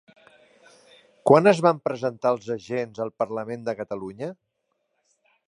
Quan es van presentar els agents al Parlament de Catalunya?